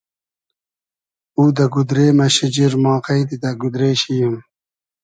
او دۂ گودرې مۂ شیجیر, ما غݷدی دۂ گودرې شی ییم